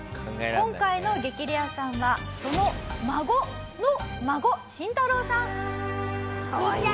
今回の激レアさんはその『孫』の孫シンタロウさん。